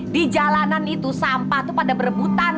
di jalanan itu sampah itu pada berebutan